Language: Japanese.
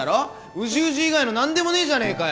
ウジウジ以外の何でもねえじゃねえかよ！